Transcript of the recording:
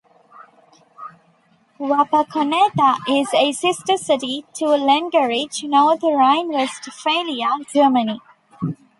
Wapakoneta is a sister city to Lengerich, North Rhine-Westphalia, Germany.